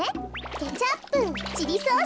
ケチャップチリソース